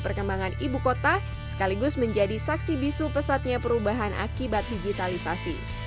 perkembangan ibu kota sekaligus menjadi saksi bisu pesatnya perubahan akibat digitalisasi